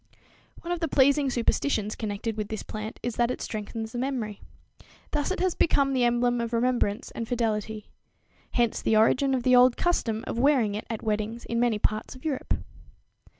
One of the pleasing superstitions connected with this plant is that it strengthens the memory. Thus it has become the emblem of remembrance and fidelity. Hence the origin of the old custom of wearing it at weddings in many parts of Europe.